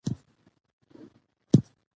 سیاسي ثبات د امنیت اساس دی